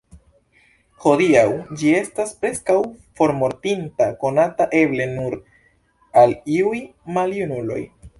Hodiaŭ ĝi estas preskaŭ formortinta, konata eble nur al iuj maljunuloj.